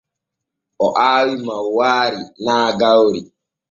O aawi maywaari naa gawri.